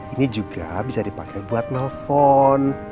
ini juga bisa dipakai buat nelfon